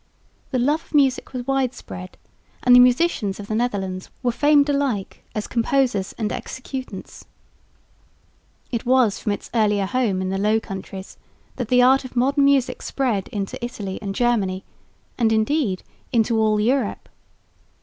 The love of music was widespread; and the musicians of the Netherlands were famed alike as composers and executants. It was from its earlier home in the Low Countries that the art of modern music spread into Italy and Germany and indeed into all Europe.